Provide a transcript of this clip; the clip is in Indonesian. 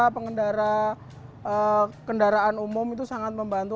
pengendara kendaraan umum itu sangat membantu